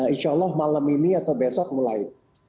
insya allah malam ini atau besok mulai